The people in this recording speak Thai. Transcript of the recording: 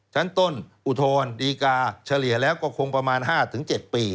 ชั้นต้นอุทธรณ์ดีกาเฉลี่ยแล้วก็คงประมาณ๕๗ปี